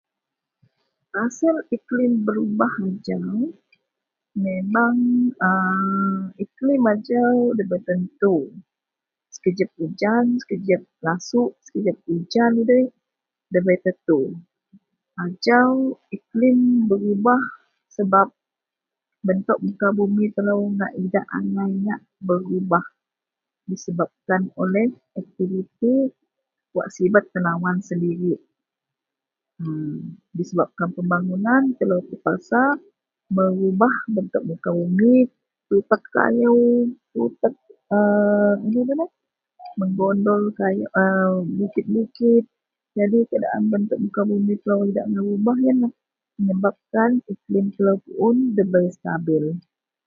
Pasel iklim berubah ujan memang aaa iklim ajau dabei tentu sekejep ujan sekejep lasouk sekejep ujan udei dabei tentu. Ajau iklim berubah sebab bentok muka bumi telo ngak idak angai ngak berubah disebabkan oleh aktiviti wak sibet tenawan sendirik mmm disebabkan pembangunan telo terpaksa merubah bentok muka bumi tutek kayou tutek (ngng) ino ngadan menggondol (ka) bukit-bukit jadi keadaan muka bumi iyen berubah telo idak berubah ienlah menybab iklim telo puon nda bei stabil.